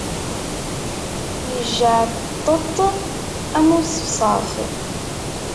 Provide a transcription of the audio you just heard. Yejjaɛṭet am uṣefṣaf.